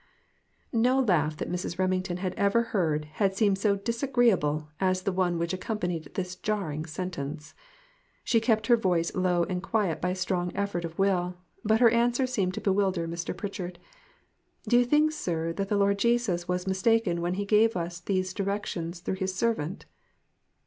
No laugh that Mrs. Remington had ever heard had seemed so disagreeable as the one which accompanied this jarring sentence. She kept her voice low and quiet by a strong effort of will, but her answer seemed to bewilder Mr. Pritchard. "Do you think, sir, that the Lord Jesus was mistaken when he gave us those directions through his servant